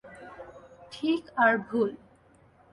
ঠিক আর ভুল?